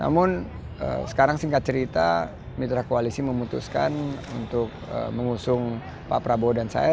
namun sekarang singkat cerita mitra koalisi memutuskan untuk mengusung pak prabowo dan saya